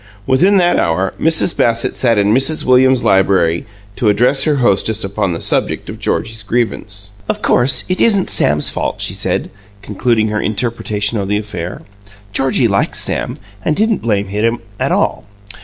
Within that hour, Mrs. Bassett sat in Mrs. Williams's library to address her hostess upon the subject of Georgie's grievance. "Of course, it isn't Sam's fault," she said, concluding her interpretation of the affair. "Georgie likes Sam, and didn't blame him at all.